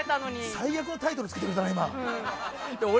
最悪なタイトルつけてくれたな。